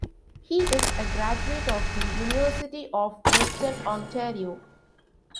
He is a graduate of the University of Western Ontario.